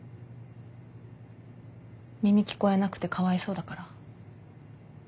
耳聞こえなくてかわいそうだから？